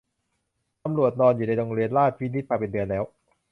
ตำรวจนอนอยู่ในโรงเรียนราชวินิตมาเป็นเดือนแล้ว